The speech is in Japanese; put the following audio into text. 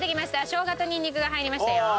しょうがとニンニクが入りましたよ。